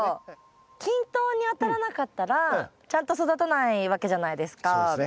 均等に当たらなかったらちゃんと育たないわけじゃないですか。